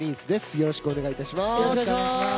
よろしくお願いします。